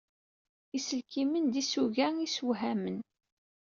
Iselkimen d isuga isewhamen.